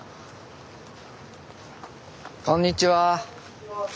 こんにちは。